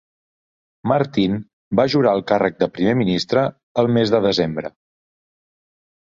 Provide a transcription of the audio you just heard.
Martin va jurar el càrrec de Primer Ministre el mes de desembre.